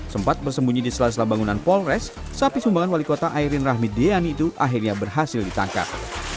sempat bersembunyi di sela sela bangunan polres sapi sumbangan wali kota airin rahmi deani itu akhirnya berhasil ditangkap